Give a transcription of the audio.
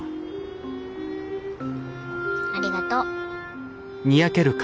ありがとう。